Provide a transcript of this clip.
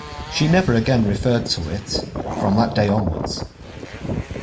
She never again referred to it, from that day onwards.